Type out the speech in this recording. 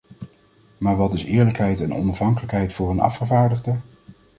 Maar wat is eerlijkheid en onafhankelijkheid voor een afgevaardigde?